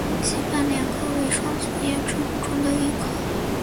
西番莲科为双子叶植物中的一科。